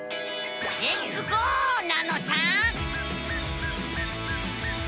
レッツゴー！なのさ。